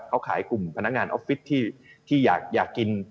เขาขายกลุ่มพนักงานออฟฟิศที่อยากกิน